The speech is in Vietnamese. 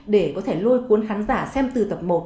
để có thể lôi cuốn khán giả xem từ tập một